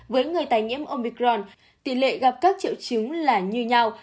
với người tài nhiễm omicron tỷ lệ gặp các triệu chứng là như nhau